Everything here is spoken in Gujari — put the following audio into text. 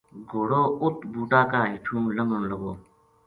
گھوڑو اُت بوٹا کا ہیٹو لنگھن لگو